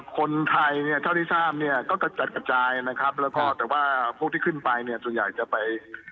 คนไทยเนี่ยเท่าที่ทราบเนี่ยก็กระจัดกระจายนะครับแล้วก็แต่ว่าพวกที่ขึ้นไปเนี่ยส่วนใหญ่จะไป